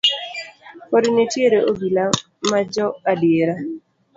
Pod nitiere obila ma jo adiera.